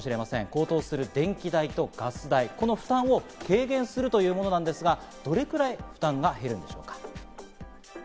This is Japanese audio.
高騰する電気代やガス代、この負担を軽減するというものなんですが、どれくらい負担が減るんでしょうか？